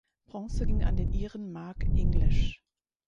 Bronze ging an den Iren Mark English.